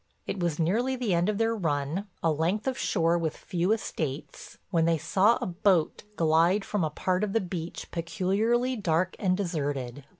It was nearly the end of their run, a length of shore with few estates, when they saw a boat glide from a part of the beach peculiarly dark and deserted.